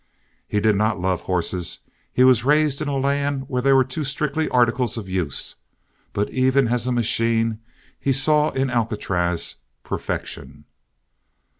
He did not love horses; he was raised in a land where they were too strictly articles of use. But even as a machine he saw in Alcatraz perfection.